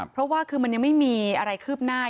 เพราะว่าคือมันยังไม่มีอะไรคืบหน้า